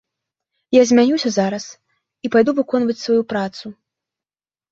Я змянюся зараз і пайду выконваць сваю працу.